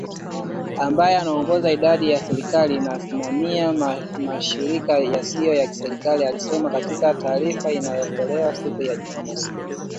Ambaye anaongoza idara ya serikali inayosimamia mashirika yasiyo ya kiserikali, alisema katika taarifa iliyopewa siku ya Jumamosi